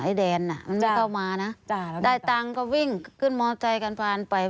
แดนอ่ะมันไม่เข้ามานะได้ตังค์ก็วิ่งขึ้นมอไซค์กันผ่านไป